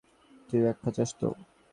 তুই ব্যাখ্যা চাস তো?